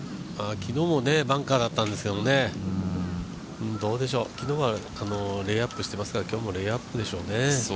昨日もバンカ−だったんですけど、昨日はレイアップしてますから今日もレイアップでしょうね。